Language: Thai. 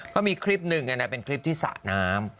ก็มีคลิปหนึ่งเป็นคลิปที่สระน้ำ